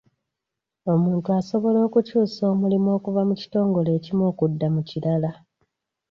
Omuntu asobola okukyusa omulimu okuva mu kitongole ekimu okudda mu kirala.